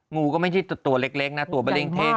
งูก็ไม่ใช่ตัวเล็กนะตัวเบอร์เร่งเทกเลยนะ